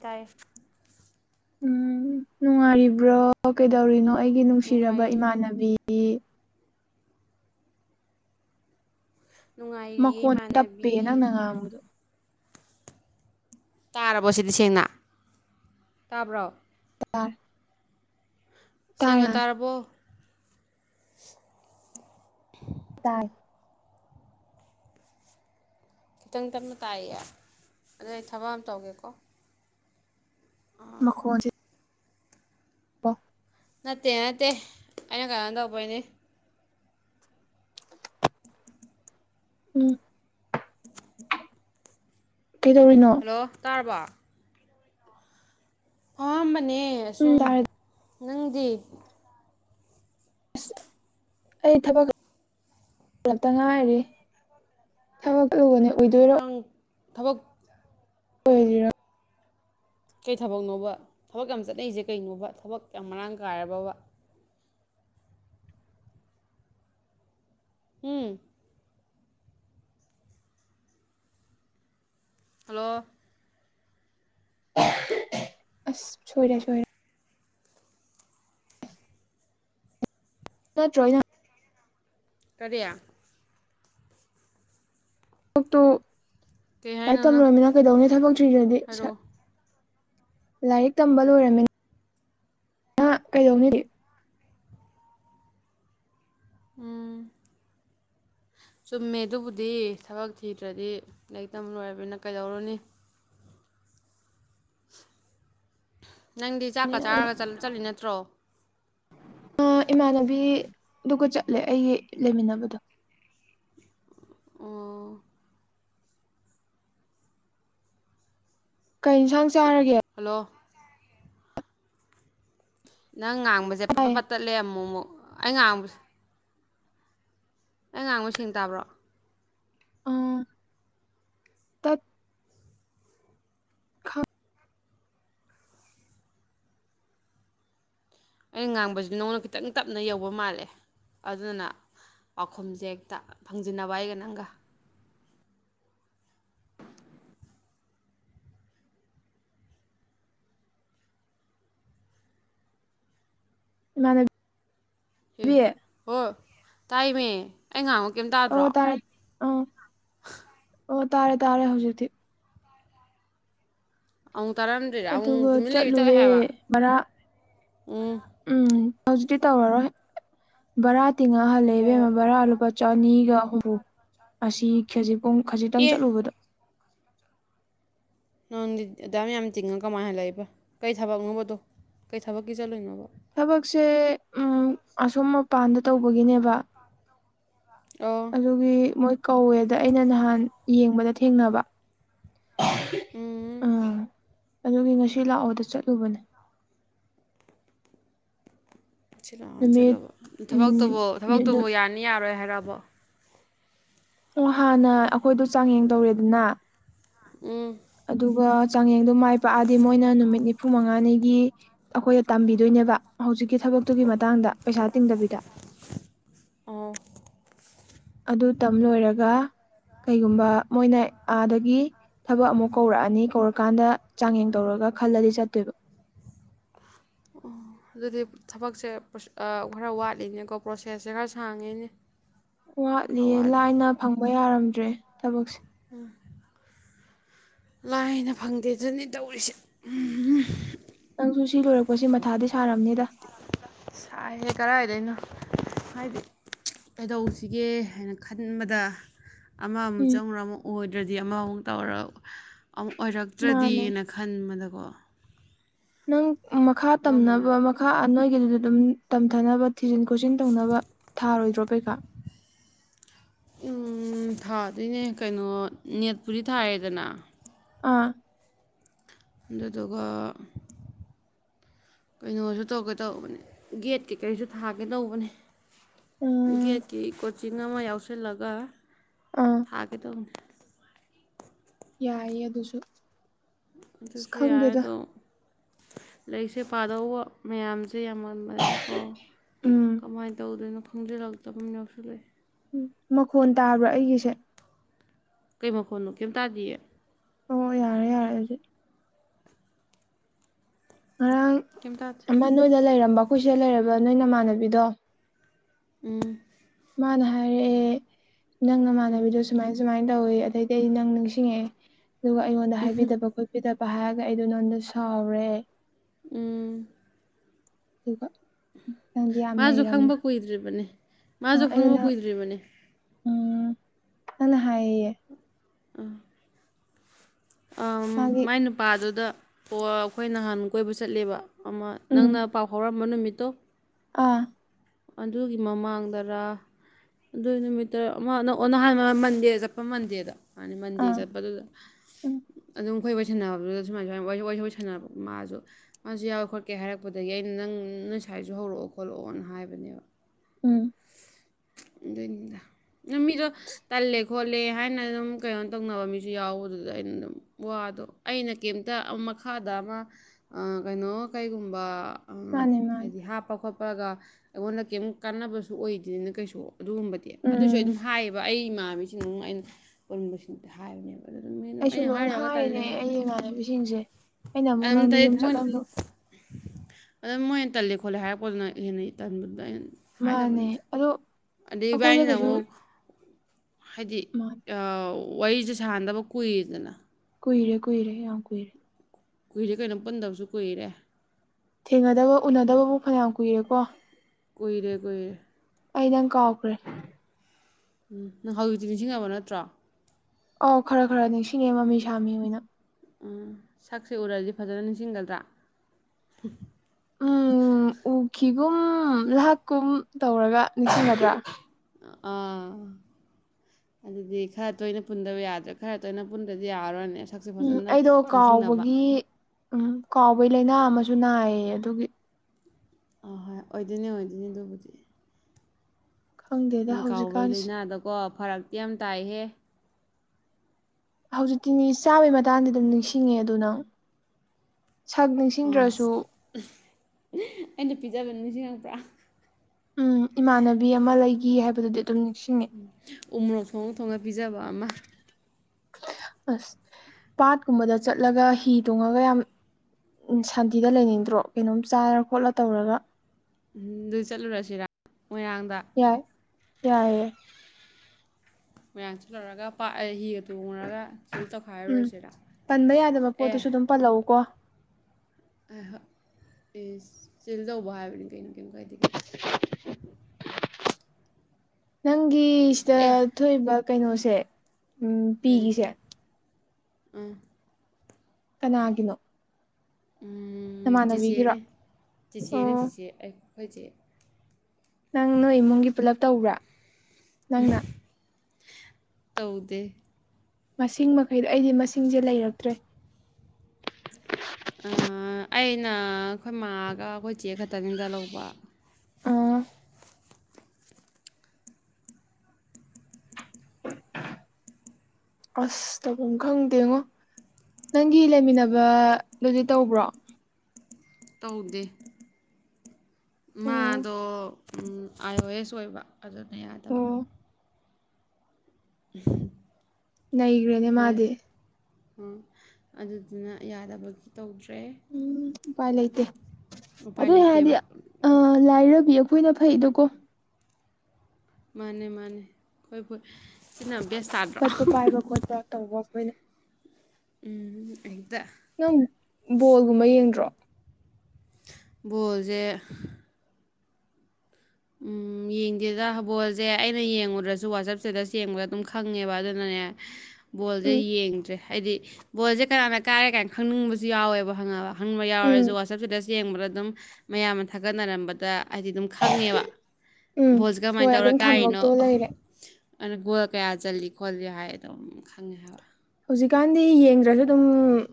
type ꯎꯝ ꯅꯨꯡꯉꯥꯏꯔꯤꯕ꯭ꯔꯣ ꯀꯩꯗꯧꯔꯤꯅꯣ ꯑꯩꯒꯤ ꯅꯨꯡꯁꯤꯔꯕ ꯅꯨꯡꯉꯥꯏꯔꯤ ꯏꯃꯥꯟꯅꯕꯤ ꯅꯨꯡꯉꯥꯏꯔꯤꯌꯦ ꯃꯈꯣꯟ ꯇꯞꯄꯦ ꯏꯃꯥꯟꯅꯕꯤ ꯅꯪꯅ ꯉꯥꯡꯕꯗꯣ ꯇꯥꯔꯕꯣ ꯁꯤꯗꯤ ꯁꯦꯡꯅ ꯇꯥꯕ꯭ꯔꯣ ꯇꯥꯔꯦ ꯇꯥꯔꯦ ꯁꯦꯡꯅ ꯇꯥꯔꯦ ꯇꯥꯔꯕꯣ ꯇꯥꯏ ꯈꯤꯇꯪ ꯇꯞꯅ ꯇꯥꯏꯌꯦ ꯑꯗꯨꯗꯤ ꯑꯩ ꯊꯕꯛ ꯑꯃ ꯇꯧꯒꯦꯀꯣ ꯃꯈꯣꯟꯁꯤ ꯑ‌ꯣ ꯅꯠꯇꯦ ꯅꯠꯇꯦ ꯑꯩꯅ ꯀꯩꯅꯣꯅ ꯇꯧꯕꯩꯅꯤ ꯎꯝ [unintelligible] ꯀꯩꯗꯧꯔꯤꯅꯣ ꯑꯣ ꯇꯥꯔꯕ ꯑꯥꯝꯕꯅꯦ ꯎꯝ ꯑꯁꯨꯝ ꯇꯥꯔꯦ ꯅꯪꯗꯤ ꯑꯁ ꯑꯩ ꯊꯕꯛꯛꯇ ꯉꯥꯏꯔꯤ ꯊꯕꯛ ꯂꯨꯕꯅꯤ ꯎꯗꯣꯏ ꯊꯕꯛ ꯑꯣꯏꯔꯤꯔꯣ ꯀꯩ ꯊꯕꯛꯅꯣꯕ ꯊꯕꯛ ꯌꯥꯝ ꯆꯠꯅꯔꯤꯁꯦ ꯀꯩꯅꯣꯕ ꯊꯕꯛ ꯌꯥꯝ ꯃꯔꯥꯡ ꯀꯥꯏꯔꯕꯕ ꯎꯝ ꯍꯜꯂꯣ ꯑꯁ ꯁꯣꯏꯔꯦ ꯁꯣꯏꯔꯦ ꯅꯠꯇ꯭ꯔ‌ꯣ ꯏꯅꯝ ꯀꯔꯤ ꯊꯕꯛꯇꯨ ꯀꯩ ꯂꯥꯏꯔꯤꯛ ꯍꯥꯏꯅꯣ ꯅꯪ ꯇꯝꯂꯃꯤꯅ ꯀꯩꯗꯧꯅꯤ ꯊꯕꯛ ꯊ꯭ꯔꯤꯗꯗꯤ ꯍꯥꯏꯔꯛꯑꯣ ꯂꯥꯏꯔꯤꯛ ꯇꯝꯕ ꯂꯣꯏꯔꯝꯃꯤꯅ ꯑ ꯀꯩꯗꯧꯅꯤꯗꯤ ꯎꯝ ꯆꯨꯝꯃꯦ ꯑꯗꯨꯕꯨꯗꯤ ꯊꯕꯛ ꯊꯤꯗ꯭ꯔꯗꯤ ꯂꯥꯏꯔꯤꯛ ꯇꯝꯝꯕ ꯂꯣꯏꯔꯕꯅꯤꯅ ꯀꯩꯗꯧꯔꯅꯤ ꯅꯪꯗꯤ ꯆꯥꯛꯀ ꯆꯥꯔꯒ ꯆꯠꯂꯤ ꯅꯠꯇ꯭ꯔꯣ ꯏꯃꯥꯟꯅꯕꯤꯗꯨꯒ ꯆꯠꯂꯦ ꯑꯩꯒꯤ ꯂꯩꯃꯤꯟꯅꯕꯗꯣ ꯑꯣ ꯀꯩ ꯏꯟꯁꯥꯡ ꯆꯥꯔꯒꯦ ꯍꯜꯂꯣ ꯅꯪ ꯉꯥꯡꯕꯁꯦ ꯇꯥꯏꯌꯦ ꯄꯠꯇꯠꯂꯦ ꯑꯃꯨꯛ ꯑꯃꯨꯛ ꯑꯩ ꯉꯥꯡꯕꯁꯦ ꯑꯩ ꯉꯥꯡꯕ ꯁꯦꯡ ꯇꯥꯕ꯭ꯔꯣ ꯑ‌ꯣ ꯇꯠ ꯈꯪ ꯑꯩꯅ ꯉꯥꯡꯕꯁꯤꯗꯤ ꯅꯪꯅ ꯈꯤꯇꯪ ꯇꯞꯅ ꯌꯧꯕ ꯃꯥꯜꯂꯦ ꯑꯗꯨꯅ ꯄꯥꯎꯈꯨꯝꯁꯦ ꯍꯦꯛꯇ ꯐꯪꯖꯟꯅꯕ ꯑꯩꯒ ꯅꯪꯒ ꯃꯥꯅꯤ ꯑꯦ ꯍꯣꯏ ꯇꯥꯏꯅꯦ ꯑꯩ ꯉꯍꯥꯛꯃꯨꯛ ꯀꯩꯝ ꯑꯣ ꯇꯥꯗ꯭ꯔꯣ ꯇꯥꯔꯦ ꯑꯥ ꯑꯣ ꯇꯥꯔꯦ ꯇꯥꯔꯦ ꯍꯧꯖꯤꯛꯇꯤ ꯑꯃꯨꯛ ꯇꯔꯥꯝꯗ꯭ꯔ‌ꯦ ꯑꯗꯨꯒ ꯆꯠꯂꯨꯔꯦ ꯚꯔꯥ ꯎꯝ ꯎꯝ ꯍꯧꯖꯤꯛꯇꯤ ꯇꯧꯔꯔꯣꯏ ꯕꯔꯥ ꯍꯣꯏ ꯇꯤꯉꯥꯍꯜꯂꯦꯕꯦꯝꯃ ꯍꯣꯏ ꯕꯔꯥ ꯂꯨꯄꯥ ꯆꯅꯤꯒ ꯍꯨꯝꯐꯨ ꯑꯁꯤ ꯈꯖꯤꯛ ꯈꯖꯤꯛꯇꯪ ꯑꯦ ꯆꯠꯂꯨꯕꯗ ꯅꯪꯗꯤ ꯑꯦꯗꯥꯝ ꯌꯥꯝ ꯇꯤꯡꯉ ꯀꯃꯥꯏ ꯍꯜ ꯂꯩꯛꯏꯕ ꯀꯩ ꯊꯕꯛꯅꯣꯕꯗꯣ ꯀꯩ ꯊꯕꯛꯀꯤ ꯆꯠꯂꯣꯏꯅꯣꯕ ꯊꯕꯛꯁꯦ ꯑꯁꯣꯝ ꯃꯄꯥꯟꯗ ꯇꯧꯕꯒꯤꯅꯦꯕ ꯑ‌ꯣ ꯑꯗꯨꯒꯤ ꯃꯣꯏ ꯀꯧꯋꯦꯗ ꯑꯩꯅ ꯅꯍꯥꯟ ꯌꯦꯡꯕꯗ ꯊꯦꯡꯅꯕ ꯎꯝ ꯑꯥ ꯑꯗꯨꯒꯤ ꯉꯁꯤ ꯂꯥꯛꯑꯣꯗ ꯆꯠꯂꯨꯕꯅꯦ ꯉꯁꯤꯂꯛꯑꯣꯅ ꯅꯨꯃꯤꯠ ꯆꯠꯂꯨꯕ ꯎꯝ ꯊꯕꯛꯇꯨꯕꯣ ꯊꯕꯛꯇꯨꯕꯣ ꯌꯥꯅꯤ ꯌꯥꯔꯣꯏ ꯍꯥꯏꯔꯛꯑꯕꯣ ꯑꯣ ꯍꯥꯟꯅ ꯑꯩꯈꯣꯏꯗꯣ ꯆꯥꯡꯌꯦꯡ ꯇꯧꯔꯦꯗꯅ ꯎꯝ ꯑꯗꯨꯒ ꯆꯥꯡꯌꯦꯡꯗꯣ ꯃꯥꯏ ꯄꯥꯛꯑꯗꯤ ꯃꯣꯏꯅ ꯅꯨꯃꯤꯠ ꯅꯤꯐꯨ ꯃꯉꯥꯅꯤꯒꯤ ꯑꯩꯈꯣꯏꯗ ꯇꯝꯕꯤꯗꯣꯏꯅꯦꯕ ꯍꯧꯖꯤꯛꯀꯤ ꯊꯕꯛꯇꯨꯒꯤ ꯃꯇꯥꯡꯗ ꯄꯩꯁꯥ ꯇꯤꯡꯗꯕꯤꯗ ꯑꯣ ꯑꯗꯨ ꯇꯝ ꯂꯣꯏꯔꯒ ꯀꯩꯒꯨꯝꯕ ꯃꯣꯏꯅ ꯑꯥꯗꯒꯤ ꯊꯕꯛ ꯑꯃꯨꯛ ꯀꯧꯔꯛꯑꯅꯤ ꯀꯧꯔꯀꯥꯟꯗ ꯆꯥꯡꯌꯦꯡ ꯇꯧꯔꯒ ꯈꯜꯂꯗꯤ ꯆꯠꯇꯣꯏꯕ [inaudible] ꯑꯗꯨꯗꯤ ꯊꯕꯛꯁꯦ ꯑꯥ ꯈꯔ ꯋꯥꯠꯂꯤꯅꯦꯀꯣ ꯄ꯭ꯔꯣꯁꯦꯁꯁꯦ ꯈꯔ ꯁꯥꯡꯉꯤꯅꯦ ꯈꯔ ꯋꯥꯠꯂꯤꯌꯦ ꯋꯥꯠꯂꯤ ꯂꯥꯏꯅ ꯐꯪꯕ ꯌꯥꯔꯝꯗ꯭ꯔꯦ ꯊꯕꯛꯁꯦ ꯎꯝ ꯂꯥꯏꯅ ꯐꯪꯗꯦꯗꯨꯅꯤ ꯇꯧꯔꯤꯁꯦ ꯅꯪꯁꯨ ꯁꯤ ꯂꯣꯏꯔꯛꯄꯁꯤ ꯃꯊꯥꯗꯤ ꯁꯥꯔꯕꯝꯅꯤꯗ ꯁꯥꯏꯍꯦ ꯀꯔꯥꯏꯗꯩꯅꯣ ꯍꯥꯏꯗꯤ ꯀꯩꯗꯧꯁꯤꯒꯦ ꯍꯥꯏꯅ ꯈꯟꯕꯗ ꯑꯃꯃꯨꯛ ꯎꯝ ꯆꯪꯉꯨꯔ ꯑꯃꯨꯛ ꯑꯣꯏꯗ꯭ꯔꯗꯤ ꯑꯃꯃꯨꯛ ꯇꯧꯔ ꯑꯃꯨꯛ ꯃꯥꯅꯦ ꯑꯣꯏꯔꯛꯇ꯭ꯔꯗꯤꯅ ꯈꯟꯕꯗꯀꯣ ꯅꯪ ꯃꯈꯥ ꯇꯝꯅꯕ ꯑꯃꯃꯨꯛ ꯃꯈꯥ ꯅꯣꯏꯒꯤꯗꯨꯗ ꯑꯗꯨꯝ ꯇꯝꯊꯅꯕ ꯊꯤꯖꯤꯟ ꯈꯣꯠꯆꯤꯟ ꯇꯧꯅꯕ ꯊꯥꯔꯣꯏꯗ꯭ꯔꯣ ꯀꯩꯀꯥ ꯎꯝ ꯊꯥꯗꯣꯏꯅꯦ ꯀꯩꯅꯣ ꯅꯦꯠꯄꯨꯔꯤ ꯊꯥꯏꯌꯦꯗꯅ ꯑꯥ ꯑꯗꯨꯗꯨꯒ ꯀꯩꯅꯣꯁꯨ ꯇꯧꯒꯦ ꯇꯧꯕꯅꯦ ꯒꯦꯠ ꯀꯩ ꯀꯩꯖꯄ ꯊꯥꯒꯦ ꯇꯧꯕꯅꯦ ꯎꯝ ꯒꯦꯠꯀꯤ ꯀꯣꯆꯤꯡ ꯑꯃ ꯌꯥꯎꯁꯤꯜꯂꯒ ꯑꯥ ꯊꯥꯒꯦꯇꯧꯅꯤ ꯌꯥꯏꯌꯦ ꯑꯗꯨꯁꯨ ꯑꯁ ꯑꯗꯨꯁꯨ ꯌꯥꯏ ꯈꯪꯗꯦꯗ ꯑꯗꯣ ꯂꯩꯥꯏꯔꯤꯛꯁꯦ ꯄꯥꯗꯧꯕ ꯃꯌꯥꯝꯖꯦ ꯌꯥꯝꯃꯟ ꯑꯗꯒꯤꯀꯣ ꯎꯝ ꯀꯃꯥꯏꯅ ꯇꯧꯗꯣꯏꯅꯣ ꯈꯪꯖꯤꯜꯂꯛꯇꯕ ꯑꯃ ꯌꯥꯎꯁꯤꯜꯂꯛꯑꯦ ꯎꯝ ꯃꯈꯣꯟ ꯇꯥꯕ꯭ꯔꯥ ꯑꯩꯒꯤꯁꯦ ꯀꯩ ꯃꯈꯣꯟꯅꯣ ꯀꯩꯝ ꯇꯥꯗꯤꯌꯦ ꯑꯣ ꯌꯥꯔꯦ ꯌꯥꯔꯦ ꯑꯗꯨꯗꯤ ꯉꯔꯥꯡ ꯀꯩꯝ ꯇꯥꯗꯦ ꯑꯃ ꯅꯣꯏꯗ ꯂꯩꯔꯝꯕ ꯑꯩꯈꯣꯏ ꯁꯤꯗ ꯂꯩꯔꯕ ꯅꯣꯏ ꯅꯃꯥꯟꯅꯕꯤꯗꯣ ꯎꯝ ꯃꯥꯅ ꯍꯥꯏꯔꯛꯑꯦ ꯅꯪ ꯅꯃꯥꯟꯅꯕꯤꯗꯁꯨ ꯁꯨꯃꯥꯏ ꯁꯨꯃꯥꯏꯅ ꯇꯧꯋꯤ ꯑꯗꯩꯗꯤ ꯑꯩ ꯅꯪ ꯅꯤꯡꯁꯤꯡꯉꯛꯑꯦ ꯑꯗꯨꯒ ꯑꯩꯉꯣꯟꯗ ꯍꯥꯏꯕꯤꯗꯕ ꯈꯣꯠꯄ ꯄꯤꯗꯕ ꯍꯥꯏꯔꯒ ꯑꯩꯗꯣ ꯅꯉꯣꯟꯗ ꯁꯥꯎꯔꯦ ꯎꯝ ꯑꯗꯨꯒ ꯅꯪꯗꯤ ꯌꯥꯝ ꯃꯥꯁꯨ ꯅꯩꯔꯝꯃꯦ ꯈꯪꯕ ꯀꯨꯏꯗ꯭ꯔꯤꯕꯅꯦ ꯑꯥ ꯃꯥꯁꯨ ꯈꯪꯕ ꯑꯩꯅ ꯀꯨꯏꯗ꯭ꯔꯤꯕꯅꯦ ꯎꯝ ꯅꯪꯅ ꯍꯥꯏꯌꯦꯌꯦ ꯑꯥ ꯑꯥꯝ ꯃꯥꯒꯤ ꯃꯥꯏ ꯅꯨ ꯄꯥꯗꯨꯗ ꯑꯣ ꯑꯩꯈꯣꯏ ꯅꯍꯥꯟ ꯀꯣꯏꯕ ꯆꯠꯂꯦꯕ ꯑꯃ ꯅꯪꯅ ꯎꯝ ꯄꯥꯎ ꯐꯥꯎꯔꯝꯕ ꯅꯨꯃꯤꯠꯇꯣ ꯑꯥ ꯑꯗꯨꯒꯤ ꯃꯃꯥꯡꯗꯔꯥ ꯑꯗꯨ ꯅꯨꯃꯤꯠꯇꯔ ꯑꯃ ꯑꯣ ꯅꯍꯥꯟ ꯃꯟꯗꯦꯗ ꯆꯠꯄ ꯃꯟꯗꯦꯗ ꯃꯟꯗꯦ ꯑꯥ ꯆꯠꯄꯗꯨꯗ ꯎꯝ ꯑꯗꯨꯝ ꯑꯩꯈꯣꯏ ꯋꯥꯔꯤ ꯁꯥꯅꯕꯗꯨꯗ ꯁꯨꯃꯥꯏ ꯁꯨꯃꯥꯏ ꯋꯥꯔꯤ ꯋꯥꯔꯤ ꯁꯥꯅꯕꯗꯨꯗ ꯃꯥꯖꯨ ꯃꯥꯁꯨ ꯌꯥꯎꯒꯦ ꯈꯣꯠꯀꯦ ꯍꯥꯏꯔꯛꯄꯗꯒꯤ ꯑꯩꯅ ꯅꯪ ꯅꯣꯢ ꯁꯥꯏꯁꯨ ꯍꯧꯔꯛꯑꯣ ꯈꯣꯠꯂꯛꯑꯣꯅ ꯍꯥꯏꯕꯅꯦꯕ ꯎꯝ ꯑꯗꯨꯢꯅꯤꯗ ꯑꯗꯣ ꯃꯤꯗꯣ ꯇꯜꯂꯦ ꯈꯣꯠꯂꯦ ꯍꯥꯏꯅ ꯁꯨꯝ ꯀꯩꯅꯣ ꯇꯧꯅꯕ ꯃꯤꯁꯨ ꯌꯥꯎꯕꯗꯨꯗꯥ ꯑꯩꯅ ꯑꯗꯨꯝ ꯋꯥꯗꯣ ꯑꯩꯅ ꯀꯩꯝꯇꯥ ꯑꯃꯥ ꯃꯈꯥꯗ ꯑꯃꯥ ꯑꯥ ꯀꯩꯅꯣ ꯀꯩꯒꯨꯝꯕ ꯑꯝ ꯃꯥꯅꯦ ꯃꯥꯅꯦ ꯍꯥꯞꯄ ꯈꯣꯠꯄꯒ ꯑꯩꯉꯣꯟꯗꯥ ꯀꯤꯝ ꯀꯥꯟꯅꯕꯁꯨ ꯑꯣꯏꯗꯦꯗꯅ ꯀꯩꯁꯨ ꯑꯗꯨꯒꯨꯝꯕꯥꯗꯤ ꯑꯗꯣꯏꯁꯨ ꯎꯝ ꯑꯩ ꯑꯗꯨꯝ ꯍꯥꯏꯌꯦꯕ ꯑꯩ ꯏꯃꯥꯅꯕꯤꯁꯤꯡꯗꯨ ꯑꯩꯅ ꯇꯧꯅꯤꯡꯕꯁꯤꯡꯗ ꯍꯥꯏꯕꯅꯦꯕ ꯑꯗꯨ ꯑꯗꯨꯝ ꯑꯗꯨꯝ ꯑꯩꯁꯨ ꯑꯩꯅ ꯂꯣꯏꯟ ꯍꯥꯏꯔꯨꯔꯒ ꯍꯥꯏꯔꯤꯅꯦ ꯇꯜꯂꯦꯅ ꯑꯩ ꯏꯃꯥꯟꯅꯥꯕꯤꯁꯤꯡꯁꯦ ꯑꯩꯅ ꯑꯃꯨꯛ ꯅꯪꯗꯤ ꯌꯨꯝ ꯆꯠꯂꯝꯗꯨ ꯑꯗꯨ ꯃꯣꯏꯅ ꯇꯜꯂꯦ ꯈꯣꯠꯂꯦ ꯍꯥꯏꯔꯛꯄꯗꯨꯅ ꯍꯦꯟꯅ ꯇꯟꯕꯗꯨꯗ ꯑꯩꯅ ꯃꯥꯅꯦ ꯑꯗꯨ ꯗꯤ ꯏꯕꯥꯟꯅꯤꯅ ꯑꯃꯨꯛ ꯍꯥꯏꯗꯤ ꯃꯥ ꯑꯥ ꯋꯥꯔꯤꯁꯨ ꯁꯥꯟꯗꯕ ꯀꯨꯏꯔꯦꯗꯅ ꯀꯨꯏꯔꯦ ꯀꯨꯏꯔꯦ ꯌꯥꯝ ꯀꯨꯏꯔꯦ ꯀꯨꯏꯔꯦ ꯀꯩꯅꯣ ꯄꯨꯟꯗꯥꯕꯁꯨ ꯀꯨꯏꯔꯦ ꯊꯦꯡꯅꯥꯗꯕ ꯎꯅꯥꯗꯕꯕꯨ ꯐꯥꯅꯌꯥꯝ ꯀꯨꯏꯔꯦꯀꯣ ꯀꯨꯏꯔꯦ ꯀꯨꯢꯔꯦ ꯑꯩ ꯅꯪ ꯀꯥꯎꯒ꯭ꯔꯦ ꯑꯝ ꯍꯧꯖꯤꯛꯇꯤ ꯅꯤꯡꯁꯤꯡꯉꯥꯕ ꯅꯠꯇ꯭ꯔꯣ ꯑꯧ ꯈꯔ ꯈꯔꯥ ꯅꯤꯡꯁꯤꯡꯉꯦ ꯃꯥꯃꯤ ꯁꯥꯃꯤ ꯑꯣꯏꯅ ꯑꯝ ꯁꯛꯁꯦ ꯎꯔꯗꯤ ꯐꯥꯖꯅ ꯅꯤꯡꯁꯤꯡꯒꯥꯗ꯭ꯔꯥ ꯑꯝ ꯎꯈꯤꯒꯨꯝ ꯂꯥꯛꯀꯨꯝ ꯇꯧꯔꯒ ꯅꯤꯡꯁꯤꯡꯒꯗ꯭ꯔꯥ ꯑꯥ ꯑꯗꯨꯗꯤ ꯈꯔ ꯇꯣꯏꯅ ꯄꯨꯟꯗꯕ ꯌꯥꯗ꯭ꯔꯦ ꯈꯔ ꯇꯣꯏꯅ ꯄꯨꯟꯗꯗꯤ ꯌꯥꯔꯔꯣꯏꯅꯦ ꯁꯛꯁꯦ ꯑꯝ ꯐꯖꯅ ꯑꯩꯗꯣ ꯅꯤꯡꯁꯤꯡꯅꯕ ꯀꯥꯎꯕꯒꯤ ꯑꯝ ꯀꯥꯎꯕꯩ ꯂꯩꯅꯥ ꯑꯃꯥꯁꯨ ꯅꯥꯏꯌꯦ ꯑꯗꯨꯒꯤ ꯍꯣꯏ ꯍꯣꯏ ꯑꯣꯏꯗꯣꯏꯅꯦ ꯑꯣꯏꯗꯣꯏꯅꯤ ꯑꯗꯨꯕꯨꯗꯤ ꯈꯪꯗꯦꯗ ꯅꯪ ꯀꯥꯎꯕꯒꯤ ꯍꯧꯖꯤꯛꯀꯥꯟꯁꯦ ꯂꯩꯅꯥꯗꯨꯀꯣ ꯐꯥꯔꯛꯇꯤ ꯌꯥꯝ ꯇꯥꯏꯍꯦ ꯍꯧꯖꯤꯛꯀꯤ ꯆꯥꯕꯩ ꯃꯇꯥꯡꯗꯤꯗꯨꯗ ꯅꯤꯡꯁꯤꯡꯉꯦ ꯑꯗꯨ ꯅꯪ ꯁꯛ ꯅꯤꯡꯁꯤꯡꯗ꯭ꯔꯁꯨ ꯑꯁ ꯑꯩꯅ ꯄꯤꯖꯥꯕ ꯅꯤꯡꯁꯤꯡ ꯉꯛꯄ꯭ꯔꯥ ꯑꯝ ꯏꯃꯥꯟꯅꯕꯤ ꯑꯃꯥ ꯂꯩꯒꯤ ꯍꯥꯏꯕꯗꯨꯗꯤ ꯑꯗꯨꯝ ꯅꯤꯡꯁꯤꯡꯉꯦ ꯎꯃꯨꯔꯣꯛ ꯊꯣꯡꯉꯥ ꯊꯣꯡꯉꯥ ꯄꯤꯖꯕ ꯑꯃꯥ ꯄꯥꯠꯀꯨꯝꯕꯗ ꯆꯠꯂꯒꯥ ꯍꯤ ꯇꯣꯡꯉꯥꯒ ꯌꯥꯝ ꯁꯥꯟꯇꯤꯗ ꯂꯩꯅꯤꯡꯗ꯭ꯔꯣ ꯀꯩꯅꯣꯝ ꯆꯥꯔ ꯈꯣꯠꯂꯥ ꯇꯧꯔꯒ ꯑꯝ ꯑꯗꯨ ꯆꯠꯂꯨꯔꯥꯁꯤꯔ ꯃꯣꯏꯔꯥꯡꯗ ꯌꯥꯏ ꯌꯥꯏꯌꯦ ꯃꯣꯏꯔꯥꯡ ꯆꯠꯂꯨꯔꯒ ꯄꯥꯛꯑꯦ ꯍꯤ ꯇꯣꯡꯉꯨꯔꯒ ꯆꯤꯜ ꯇꯧꯈꯥꯏꯔꯨꯔꯁꯤꯔ ꯑꯦ ꯄꯥ ꯂꯧ ꯀꯣ ꯍꯣꯢ ꯍꯣꯏ ꯏꯁ ꯆꯤꯜ ꯇꯧꯕ ꯍꯥꯏꯕꯅꯤ ꯀꯩꯅꯣ ꯀꯩꯝ ꯀꯥꯏꯗꯦ ꯀꯩꯅꯣ [inaudible] ꯅꯪꯒꯤ ꯁꯤꯗ ꯑꯦ ꯊꯣꯛꯏꯕ ꯀꯩꯅꯣꯁꯦ ꯑꯝ ꯄꯤꯒꯤꯁꯦ ꯑꯝ ꯀꯅꯥꯒꯤꯅꯣ ꯑꯝ ꯅꯃꯥꯟꯅꯕꯤꯒꯤꯔꯣ ꯆꯤꯆꯦꯅꯦ ꯆꯤꯆꯦꯅꯦ ꯑꯣ ꯆꯤꯆꯦ ꯑꯩꯈꯣꯏ ꯆꯦ ꯅꯪ ꯅꯣꯏ ꯏꯃꯨꯡꯒꯤ ꯄꯨꯜꯂꯞ ꯇꯧꯕ꯭ꯔꯥ ꯅꯪꯅ ꯇꯧꯗꯦ ꯑꯁꯦꯡꯃꯛꯀꯤ ꯑꯩꯗꯤ ꯃꯁꯤꯡꯁꯦ ꯂꯩꯔꯛꯇ꯭ꯔꯦ ꯑꯝ ꯑꯩꯅ ꯑꯩꯈꯣꯏ ꯃꯥꯒ ꯑꯩꯈꯣꯏ ꯆꯦ ꯈꯛꯇꯥꯅꯤꯗ ꯂꯧꯕ ꯑꯣ ꯑꯁ ꯇꯧꯚꯝ ꯈꯪꯗꯦ ꯉꯣ ꯅꯪꯒꯤ ꯂꯩꯃꯤꯟꯅꯥꯕ ꯑꯗꯨꯗꯤ ꯇꯧꯕ꯭ꯔꯣ ꯇꯧꯗꯦ ꯑꯣ ꯃꯥꯗꯣ ꯑꯥꯏ ꯑꯣ ꯑꯦꯁ ꯑꯣꯏꯕ ꯑꯗꯨꯅ ꯌꯥꯗꯕ [unintelligible] [inaudible] [unintelligible] ꯅꯩꯈ꯭ꯔꯦꯅꯦ ꯃꯥꯗꯤ ꯑꯣ ꯑꯗꯨꯗꯨꯅ ꯌꯥꯗꯕꯒꯤ ꯇꯧꯗ꯭ꯔꯦ ꯎꯝ ꯎꯄꯥꯏ ꯂꯩꯇꯦ ꯎꯄꯥꯏ ꯑꯗꯨ ꯍꯥꯏꯔꯗꯤ ꯂꯩꯇꯦꯕ ꯑꯥ ꯂꯥꯏꯔꯕꯤ ꯑꯩꯈꯣꯏꯅ ꯐꯩꯗ ꯀꯣ ꯃꯥꯅꯦ ꯃꯥꯅꯦ ꯍꯣꯏ ꯍꯣꯏ ꯁꯤꯅ ꯕꯦꯁ ꯇꯥꯗ꯭ꯔꯣ [unintelligible] ꯑꯩꯈꯣꯏꯅ ꯎꯝ ꯍꯦꯛꯇꯥ ꯅꯪ ꯕꯣꯜꯒꯨꯝꯕ ꯌꯦꯡꯗ꯭ꯔꯣ ꯕꯣꯜꯁꯦ ꯎꯝ ꯌꯦꯡꯗꯦꯗ ꯍꯕꯣꯜꯁꯦ ꯑꯩꯅ ꯌꯦꯡꯉꯨꯗ꯭ꯔꯁꯨ ꯋꯥꯆꯞꯁꯤꯗ ꯁꯦꯡꯕꯒ ꯑꯗꯨꯝ ꯈꯪꯉꯦꯕ ꯑꯗꯨꯅꯅꯦ ꯕꯣꯜꯁꯦ ꯎꯝ ꯌꯦꯡꯗ꯭ꯔꯦ ꯍꯥꯏꯗꯤ ꯕꯣꯜꯁꯦ ꯀꯅꯥꯝꯅ ꯀꯥꯔꯦ ꯀꯥꯏꯅ ꯈꯪꯅꯤꯡꯕꯁꯨ ꯌꯥꯎꯋꯦꯕ ꯈꯡꯉꯕ ꯈꯪꯕ ꯎꯝ ꯌꯥꯎꯔꯁꯨ ꯋꯥꯆꯞꯇꯨꯗꯁ ꯌꯦꯡꯕꯗ ꯑꯗꯨꯝ ꯃꯌꯥꯝꯅ ꯊꯥꯒꯠꯅꯔꯝꯕꯗ ꯍꯥꯏꯗꯤ ꯑꯗꯨꯝ ꯈꯪꯉꯦꯕ ꯎꯝ ꯚꯣꯁ ꯀꯃꯥꯏꯅ ꯍꯣꯏ ꯇꯧꯔ ꯑꯗꯨꯝ ꯀꯥꯏꯔꯤꯅꯣ ꯊꯝꯃꯛꯇꯣ ꯂꯩꯔꯦ ꯑꯗꯨꯅ ꯒꯣꯜ ꯀꯌꯥ ꯆꯜꯂꯤ ꯈꯣꯠꯂꯤ ꯍꯥꯏ ꯑꯗꯨꯝ ꯈꯪꯉꯦ ꯍꯥꯏꯕ ꯍꯧꯖꯤꯛꯀꯥꯟꯗꯤ ꯌꯦꯡꯗ꯭ꯔꯁꯨ ꯑꯗꯨꯝ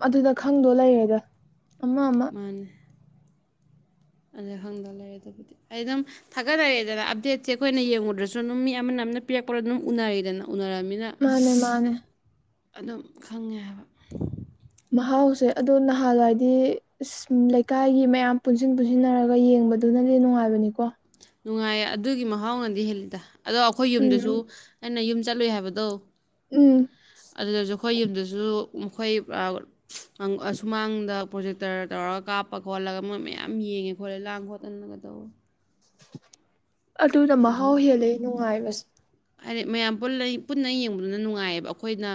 ꯑꯗꯨꯗ ꯈꯪꯗꯣ ꯂꯩꯔꯦꯗ ꯑꯃ ꯑꯃ ꯃꯥ ꯑꯗ ꯈꯪꯗ ꯂꯩꯔꯦ ꯑꯗꯨꯕꯨꯗꯤ ꯑꯩ ꯑꯗꯨꯝ ꯊꯥꯒꯠꯅꯔꯛꯦꯗꯅ ꯑꯞꯗꯦꯠꯁꯦ ꯑꯩꯈꯣꯏꯅ ꯌꯦꯡꯉꯨꯗ꯭ꯔꯁꯨ ꯑꯗꯨꯝ ꯃꯤ ꯑꯃꯅ ꯑꯃꯝꯅ ꯄꯤꯔꯛꯄ ꯑꯗꯨꯝ ꯎꯅꯔꯤꯗꯅ ꯎꯅꯔꯕꯃꯤꯅ ꯃꯥꯅꯦ ꯃꯥꯅꯦ ꯑꯗꯨꯝ ꯈꯪꯉꯦ ꯍꯥꯏꯕ ꯃꯍꯥꯎꯁꯦ ꯑꯗꯣ ꯅꯍꯥꯟꯋꯥꯏꯗꯤ ꯑ ꯂꯩꯀꯥꯏꯒꯤ ꯃꯌꯥꯝ ꯄꯨꯟꯁꯤꯟ ꯄꯨꯟꯁꯤꯟꯅꯔꯒ ꯌꯦꯡꯕꯗꯨꯅꯗꯤ ꯅꯨꯡꯉꯥꯏꯕꯅꯤꯀꯣ ꯅꯨꯡꯉꯥꯏꯌꯦ ꯑꯗꯨꯒꯤ ꯃꯍꯥꯎꯅꯗꯤ ꯍꯦꯜꯂꯤꯗ ꯑꯗꯣ ꯑꯩꯈꯣꯏ ꯌꯨꯝꯗꯁꯨ ꯎꯝ ꯑꯩꯅ ꯌꯨꯝ ꯆꯠꯂꯨꯏ ꯍꯥꯏꯕꯗꯣ ꯎꯝ ꯑꯗꯨꯗꯁꯨ ꯑꯩꯈꯣꯏ ꯌꯨꯝꯗꯁꯨ ꯃꯈꯣꯏ ꯑꯁꯨꯃꯥꯡꯗ ꯄ꯭ꯔꯣꯖꯦꯛꯇꯔ ꯇꯧꯔꯒ ꯀꯥꯞꯄ ꯈꯣꯠꯂꯒ ꯃꯣꯏ ꯃꯌꯥꯝ ꯌꯦꯡꯉꯦ ꯈꯣꯠꯂꯦ ꯂꯥꯡ ꯈꯣꯠꯄ ꯀꯒꯗꯧ ꯑꯗꯨꯗ ꯃꯍꯥꯎ ꯑꯗꯨꯝ ꯍꯦꯜꯂꯦ ꯅꯨꯡꯉꯥꯏꯕꯁꯦ ꯍꯥꯏꯗꯤ ꯃꯌꯥꯝ ꯄꯨꯟꯅ ꯌꯦꯡꯕꯗꯨꯅ ꯅꯨꯡꯉꯥꯏꯌꯦꯕ ꯑꯩꯈꯣꯏꯅ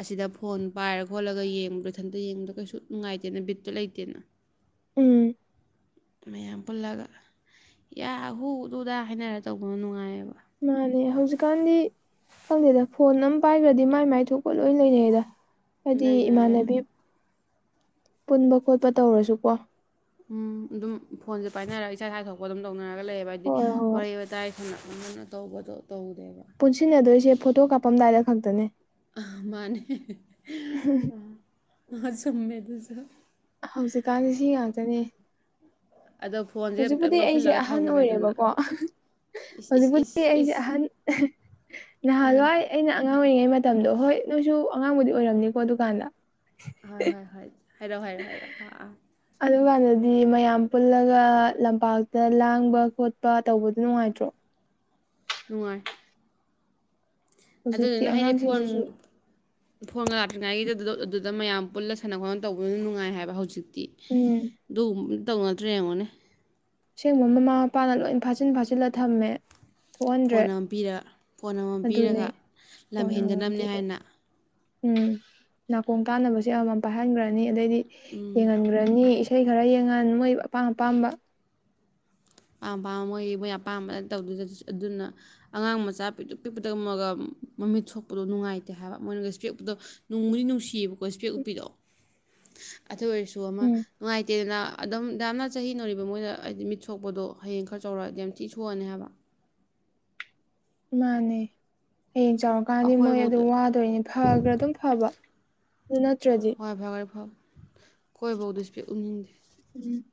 ꯑꯁꯤꯗ ꯐꯣꯟ ꯄꯥꯏꯔ ꯈꯣꯠꯂꯒ ꯌꯦꯡꯕꯗꯣ ꯏꯊꯟꯇ ꯌꯦꯡꯕꯗ ꯀꯩꯁꯨ ꯅꯨꯡꯉꯥꯏꯇꯦꯅ ꯕꯤꯠꯇꯨ ꯂꯩꯇꯦꯅ ꯎꯝ ꯃꯌꯥꯝ ꯄꯨꯜꯂꯒ ꯌꯥ ꯍꯨꯗꯨꯗ ꯍꯥꯏꯅꯔ ꯇꯧꯕꯅꯣ ꯅꯨꯡꯉꯥꯏꯌꯦꯕ ꯃꯥꯅꯦ ꯍꯧꯖꯤꯛꯀꯥꯟꯗꯤ ꯈꯪꯗꯦꯗ ꯐꯣꯟ ꯑꯃ ꯄꯥꯏꯈ꯭ꯔꯗꯤ ꯃꯥꯏ ꯃꯥꯏ ꯊꯣꯛꯄ ꯂꯣꯏ ꯂꯩꯅꯩꯑꯗ ꯍꯥꯏꯗꯤ ꯂꯩꯅꯔꯦ ꯏꯃꯥꯟꯅꯕꯤ ꯄꯨꯟꯕ ꯈꯣꯠꯄ ꯇꯧꯔꯁꯨꯀꯣ ꯎꯝ ꯑꯗꯨꯝ ꯐꯣꯟꯁꯦ ꯄꯥꯏꯅꯔꯒ ꯏꯁꯥ ꯏꯁꯥꯊ ꯊꯣꯛꯄ ꯑꯗꯨꯝ ꯇꯧꯅꯔꯒ ꯂꯩꯌꯦꯕ ꯍꯥꯏꯗꯤ ꯍꯣꯏ ꯍꯣꯏ ꯋꯥꯔꯤ ꯋꯥꯇꯥꯏ ꯍꯂꯛ ꯑꯃꯅ ꯇꯧꯕꯗꯣ ꯇꯧꯗꯦꯕ ꯄꯨꯟꯁꯤꯟꯅꯗꯣꯏꯁꯦ ꯐꯣꯇꯣ ꯀꯥꯞꯄꯝꯗꯥꯏꯗ ꯈꯛꯇꯅꯦ ꯑ ꯃꯥꯅꯦ ꯆꯝꯃꯦꯗꯨꯁꯨ ꯍꯧꯖꯤꯛꯀꯥꯟꯗꯤ ꯁꯤ ꯉꯥꯛꯇꯅꯦ [unintelligible] ꯍꯧꯖꯤꯛꯄꯨꯗꯤ ꯑꯩꯁꯦ ꯂꯧꯁꯤꯜꯂꯒ ꯑꯍꯟ ꯊꯝꯈ꯭ꯔꯦꯗꯅ ꯑꯣꯏꯔꯦꯕꯀꯣ ꯏꯁ ꯏꯁ ꯏꯁ ꯍꯧꯖꯤꯛꯄꯨꯗꯤ ꯑꯩꯁꯦ ꯏꯁ ꯑꯍꯟ ꯑꯥ ꯅꯍꯥꯟꯋꯥꯏ ꯑꯩꯅ ꯑꯉꯥꯡ ꯑꯣꯏꯔꯤꯉꯩ ꯃꯇꯝꯗꯣ ꯍꯣꯏ ꯅꯣꯏꯁꯨ ꯑꯉꯥꯡꯕꯨꯗꯤ ꯑꯣꯏꯔꯝꯅꯤꯀꯣ ꯗꯨꯀꯥꯟꯗ ꯍꯣꯏ ꯍꯣꯏ ꯍꯣꯏ ꯍꯥꯏꯔꯛꯑꯣ ꯍꯥꯏꯔꯛꯑꯣ ꯍꯥꯏꯔꯛꯑꯣ ꯑꯥ ꯑꯥ ꯑꯗꯨꯀꯥꯟꯗꯗꯤ ꯃꯌꯥꯝ ꯄꯨꯜꯂꯒ ꯂꯝꯄꯥꯛꯇ ꯂꯥꯡꯕ ꯈꯣꯠꯄ ꯇꯧꯕꯗꯣ ꯅꯨꯡꯉꯥꯏꯇ꯭ꯔꯣ ꯅꯨꯡꯉꯥꯏ ꯍꯧꯖꯤꯛꯇꯤ ꯑꯗꯨꯗꯨꯅ ꯍꯥꯏꯗꯤ ꯐꯣꯟ ꯑꯉꯥꯡꯁꯤꯡꯁꯤꯁꯨ ꯐꯣꯟꯒ [unintelligible] ꯑꯗꯨꯗ ꯃꯌꯥꯝ ꯄꯨꯜꯂ ꯁꯥꯟꯅ ꯈꯣꯠꯅꯕ ꯇꯧꯕꯗꯨꯅ ꯅꯨꯡꯉꯥꯏ ꯍꯥꯏꯕ ꯍꯧꯖꯤꯛꯇꯤ ꯎꯝ ꯑꯗꯨꯒꯨꯝꯕ ꯇꯧꯅꯗ꯭ꯔꯦ ꯌꯦꯡꯉꯣꯅꯦ ꯑꯁꯦꯡꯕ ꯃꯃꯥ ꯃꯄꯥꯅ ꯂꯣꯏ ꯐꯥꯖꯤꯟ ꯐꯥꯖꯤꯜꯂ ꯊꯝꯃꯦ ꯊꯣꯛꯍꯟꯗ꯭ꯔꯦ ꯐꯣꯟ ꯑꯃ ꯄꯤꯔ ꯐꯣꯟ ꯑꯃꯃꯝ ꯑꯗꯨꯅꯦ ꯄꯤꯔꯒ ꯂꯝ ꯐꯣꯟ ꯑꯃꯃꯝ ꯍꯦꯟꯗꯅꯕꯅꯦ ꯄꯤꯔ ꯍꯥꯏꯅ ꯎꯝ ꯅꯥꯀꯣꯡ ꯇꯥꯅꯕꯁꯦ ꯑꯃꯃꯝ ꯄꯥꯏꯍꯟꯒ꯭ꯔꯅꯤ ꯑꯗꯩꯗꯤ ꯌꯦꯡꯍꯟ [unintelligible] ꯏꯁꯩ ꯈꯔ ꯌꯦꯡꯉꯥꯟ ꯃꯣꯏ ꯑꯄꯥꯝ ꯑꯄꯥꯝꯕ ꯄꯥꯝ ꯄꯥꯝꯕ ꯃꯣꯏꯒꯤ ꯃꯣꯏ ꯑꯄꯥꯝꯕꯗ ꯇꯧꯗꯣꯏꯁꯤ ꯑꯗꯨꯅ ꯑꯉꯥꯡ ꯃꯆꯥ ꯄꯤꯇꯔꯨꯛ ꯄꯤꯛꯄꯗ ꯑꯃꯒ ꯃꯃꯤꯠ ꯁꯣꯛꯄꯗꯣ ꯅꯨꯡꯉꯥꯏꯇꯦ ꯍꯥꯏꯕ ꯃꯣꯏꯅꯒ ꯏꯁꯄꯦꯛ ꯎꯞꯄꯗꯣ ꯅꯨꯡꯕꯨꯗꯤ ꯅꯨꯡꯁꯤꯌꯦꯕꯀꯣ ꯏꯁꯄꯦꯛ ꯎꯞꯄꯤꯗꯣ ꯑꯗꯨ ꯑꯣꯏꯔꯁꯨ ꯑꯃ ꯎꯝ ꯅꯨꯡꯉꯥꯏꯇꯦꯗꯅ ꯑꯗꯨꯝ ꯌꯥꯝꯅ ꯆꯍꯤ ꯅꯧꯔꯤꯕ ꯃꯣꯏꯅ ꯍꯥꯏꯗꯤ ꯃꯤꯠꯁꯣꯛ ꯄꯣꯗꯣ ꯍꯌꯦꯡ ꯈꯔ ꯆꯥꯎꯔꯛꯑꯗꯤ ꯌꯥꯝ ꯊꯤ ꯁꯣꯛꯑꯅꯦ ꯍꯥꯏꯕ ꯃꯥꯅꯦ ꯍꯌꯦꯡ ꯆꯥꯎꯔꯀꯥꯟꯗꯤ ꯃꯣꯏ ꯑꯗꯨ ꯑꯩꯈꯣꯏꯐꯧꯗ ꯋꯥ ꯇꯧꯅꯦ ꯐꯒ꯭ꯔꯥ ꯑꯗꯨꯝ ꯐꯕ ꯑꯗꯨ ꯅꯠꯇ꯭ꯔꯗꯤ [unintelligible] ꯈꯣꯏꯕꯧꯗ ꯏꯁꯄꯦꯛ ꯎꯞ ꯅꯤꯡꯗꯦ ꯎꯝ